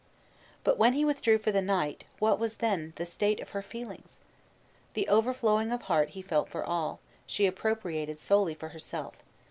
But when he withdrew for the night, what was then the state of her feelings! The overflowing of heart he felt for all, she appropriated solely for herself.